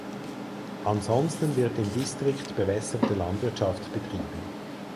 Ansonsten wird im Distrikt bewässerte Landwirtschaft betrieben.